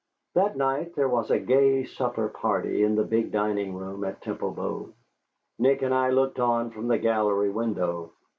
That night there was a gay supper party in the big dining room at Temple Bow. Nick and I looked on from the gallery window.